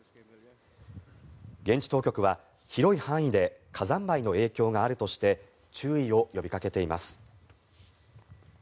現地当局は、広い範囲で火山灰の影響があるとして注意を呼びかけています。